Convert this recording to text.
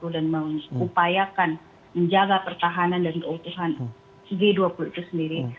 dan mengupayakan menjaga pertahanan dan keutuhan g dua puluh itu sendiri